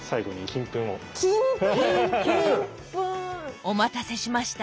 金粉！お待たせしました。